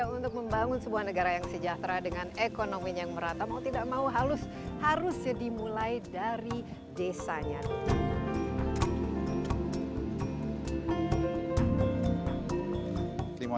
untuk membangun sebuah negara yang sejahtera dengan ekonominya yang merata mau tidak mau harus dimulai dari desanya